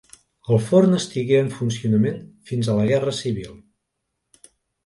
El forn estigué en funcionament fins a la Guerra Civil.